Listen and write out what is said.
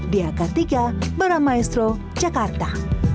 diakar tiga barang maestro jakarta